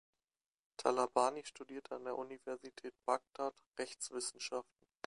Talabani studierte an der Universität Bagdad Rechtswissenschaften.